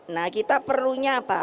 nah kita perunya pak